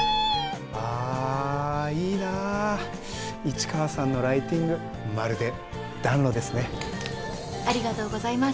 あいいな市川さんのライティングまるで暖炉ですね。ありがとうございます。